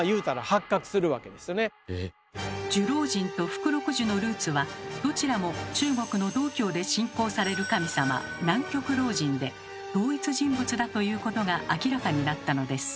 寿老人と福禄寿のルーツはどちらも中国の道教で信仰される神様南極老人で同一人物だということが明らかになったのです。